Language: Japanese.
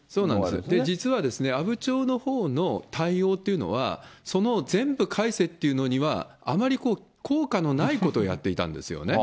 実は阿武町のほうの対応というのは、その全部返せっていうのにはあまり効果のないことをやっていたんですよね。